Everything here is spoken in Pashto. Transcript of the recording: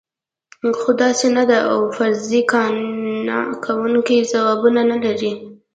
خو داسې نه ده او فرضیې قانع کوونکي ځوابونه نه لري.